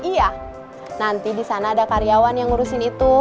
iya nanti disana ada karyawan yang ngurusin itu